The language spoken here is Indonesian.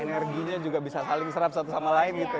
energinya juga bisa saling serap satu sama lain gitu